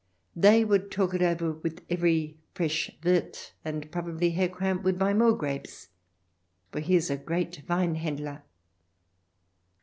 They would talk it over with every fresh Wirth, and probably Herr Kramp would buy more grapes, for he is a great Weinhandler.